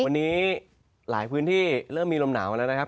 วันนี้หลายพื้นที่เริ่มมีลมหนาวแล้วนะครับ